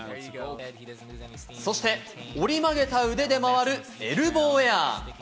そして折り曲げた腕で回るエルボーエア。